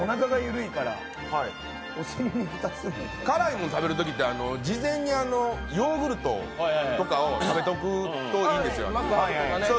辛いもの食べるときって事前にヨーグルトとかを食べておくといいんですよ。